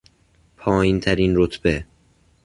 پایینترین رتبه